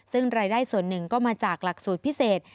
ซึ่งรายได้ส่วนหนึ่งก็มาจากหลักสูตรพิเศษ